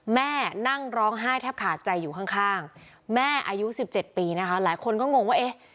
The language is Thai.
แม่นั่งร้องไห้แทบขาดใจอยู่ข้างแม่อายุ๑๗ปีนะคะหลายคนก็งงว่าเอ๊ะ